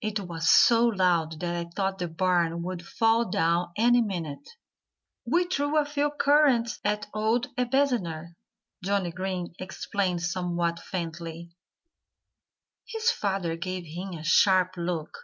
"It was so loud that I thought the barn would fall down any minute." "We threw a few currants at old Ebenezer," Johnnie Green explained somewhat faintly. His father gave him a sharp look.